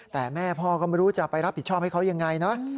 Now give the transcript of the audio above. แต่แม่พ่อก็ไม่รู้จะไปรับผิดชอบให้เขายังไงนะ